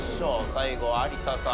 最後有田さん